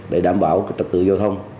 để đảm bảo trật tự giao thông